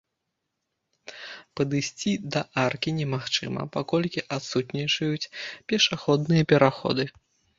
Падысці да аркі немагчыма, паколькі адсутнічаюць пешаходныя пераходы.